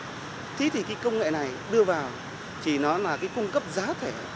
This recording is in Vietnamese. đưa không khí thì cái công nghệ này đưa vào thì nó là cái cung cấp giá thể